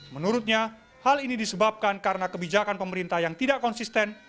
menurutnya hal ini disebabkan karena kebijakan pemerintah yang tidak konsisten